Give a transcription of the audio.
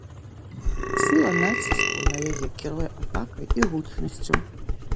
Сіла націску на яе кіруе атакай і гучнасцю.